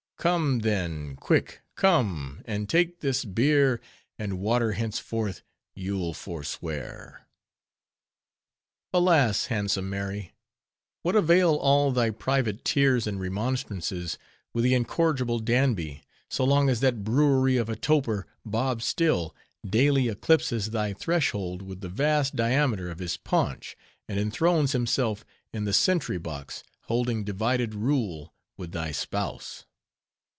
Come, then, quick come, and take this beer, And water henceforth you'll forswear." Alas! Handsome Mary. What avail all thy private tears and remonstrances with the incorrigible Danby, so long as that brewery of a toper, Bob Still, daily eclipses thy threshold with the vast diameter of his paunch, and enthrones himself in the sentry box, holding divided rule with thy spouse?